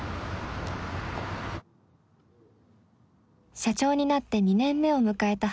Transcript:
社長になって２年目を迎えた林田さん。